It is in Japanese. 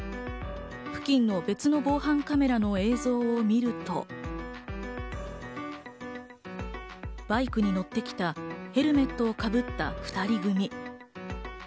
付近の別の防犯カメラの映像を見ると、バイクに乗って来た、ヘルメットをかぶった２人組。